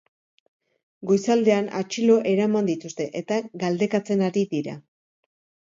Goizaldean atxilo eraman dituzte eta galdekatzen ari dira.